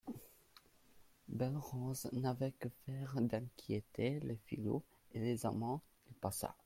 Belle-Rose n'avait que faire d'inquiéter les filous et les amants : il passa.